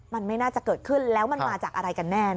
มันไม่น่าจะเกิดขึ้นแล้วมันมาจากอะไรกันแน่